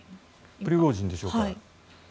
プリゴジンでしょうか。